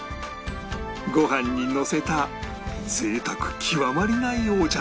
ご飯にのせた贅沢極まりないお茶漬け